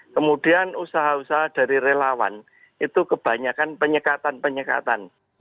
kemudian usaha usaha dari relawan itu kebanyakan penyekatan penyekatan